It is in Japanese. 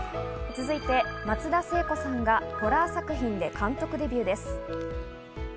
続いて松田聖子さんがホラー作品で監督デビューです。